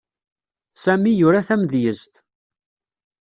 Sami yura tamedyezt.